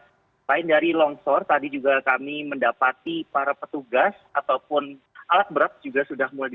selain dari longsor tadi juga kami mendapati para petugas ataupun alat berat juga sudah mulai